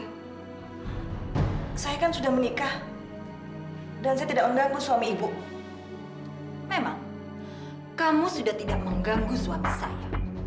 dan gara gara kamu suami saya yos dan anak saya mercy sudah pergi dari rumah saya